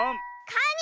カニ